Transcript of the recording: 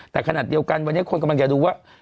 แต่ขณะเดียวกันวันนี้คนกำลังจะดูว่า